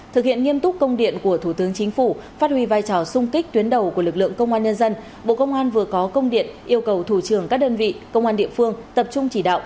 thực hiện nghiêm túc công điện của thủ tướng chính phủ phát huy vai trò sung kích tuyến đầu của lực lượng công an nhân dân bộ công an vừa có công điện yêu cầu thủ trưởng các đơn vị công an địa phương tập trung chỉ đạo